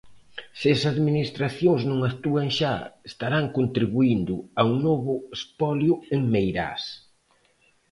Se as administracións non actúan xa, estarán contribuíndo a un novo espolio en Meirás.